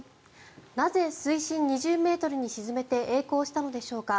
なぜ水深２０ｍに沈めてえい航したのでしょうか？